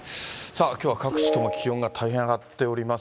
きょうは各地とも気温が大変上がっております。